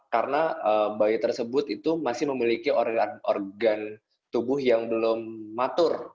karena bayi tersebut itu masih memiliki organ tubuh yang belum matur